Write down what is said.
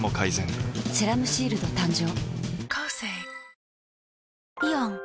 「セラムシールド」誕生